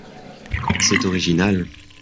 C’est original